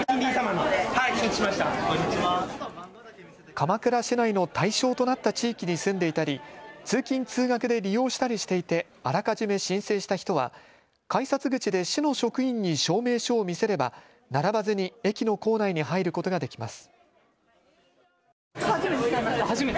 鎌倉市内の対象となった地域に住んでいたり、通勤通学で利用したりしていてあらかじめ申請した人は改札口で市の職員に証明書を見せれば並ばずに駅の構内に入ることができます。